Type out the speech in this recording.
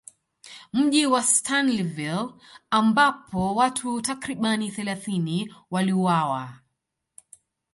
Mji Wa Stanleyville ambapo watu takribani thelathini waliuawa